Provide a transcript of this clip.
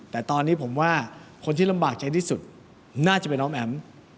แต่ตอนนี้ผมว่าคนที่ลำบากใจที่สุดน่าจะเป็นน้องแอ๋ม